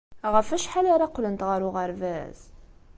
Ɣef wacḥal ara qqlent ɣer uɣerbaz?